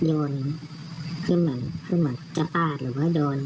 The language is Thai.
นอนคือเหมือนจะปาดหรือว่าโดน